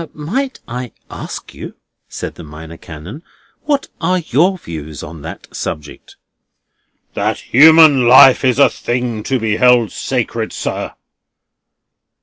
"Might I ask you," said the Minor Canon: "what are your views on that subject?" "That human life is a thing to be held sacred, sir."